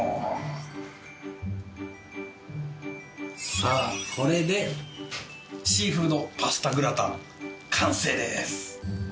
さあこれでシーフードパスタグラタン完成です。